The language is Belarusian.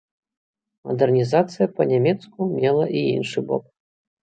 Мадэрнізацыя па-нямецку мела і іншы бок.